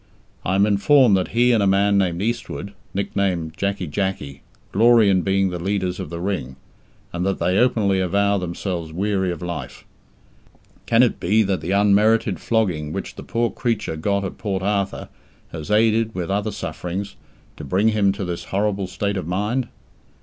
I am informed that he and a man named Eastwood, nicknamed "Jacky Jacky", glory in being the leaders of the Ring, and that they openly avow themselves weary of life. Can it be that the unmerited flogging which the poor creature got at Port Arthur has aided, with other sufferings, to bring him to this horrible state of mind?